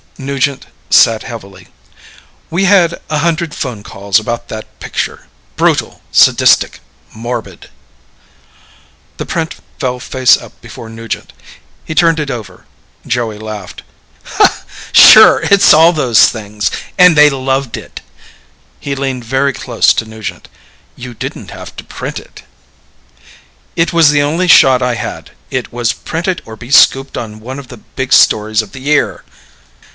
Nugent sat heavily. "We had a hundred phone calls about that picture. Brutal ... sadistic ... morbid." The print fell face up before Nugent. He turned it over. Joey laughed. "Sure. It's all those things. And they loved it." He leaned very close to Nugent. "You didn't have to print it." "It was the only shot I had. It was print it or be scooped on one of the big stories of the year."